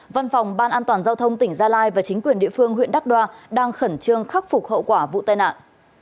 văn phòng ban an toàn giao thông tỉnh gia lai và chính quyền địa phương huyện đắc đoa đang khẩn trương khắc phục hậu quả vụ tai nạn